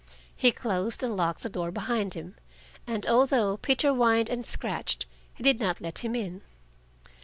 He closed and locked the door behind him, and although Peter whined and scratched, he did not let him in.